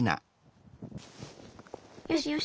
よしよし。